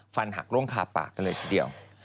ฟันหักร่วงคาปากกันเลยทีเดียว